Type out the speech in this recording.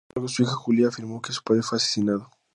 Sin embargo, su hija Julia afirmó que su padre fue asesinado.